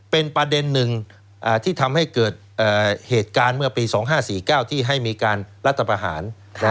เป็นประเด็นหนึ่งที่ทำให้เกิดเหตุการณ์เมื่อปี๒๕๔๙ที่ให้มีการรัฐประหาร